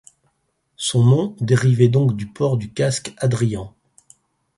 Son nom dérivait donc du port du casque Adrian.